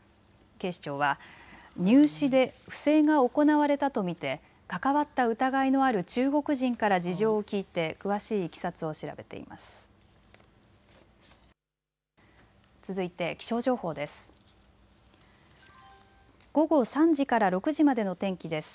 警視庁は入試で不正が行われたと見て関わった疑いのある中国人から事情を聴いて詳しいいきさつを調べています。